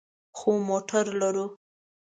خو موټر لرو